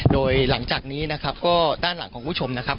โดยหลังจากนี้นะครับก็ด้านหลังของคุณผู้ชมนะครับ